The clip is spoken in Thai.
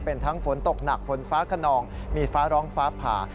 เป็นทั้งฝนตกหนักฝนฟ้าขนองมีฟ้าร้องฟ้าผ่า